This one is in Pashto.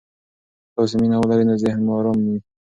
که تاسي مینه ولرئ، نو ذهن مو ارام وي.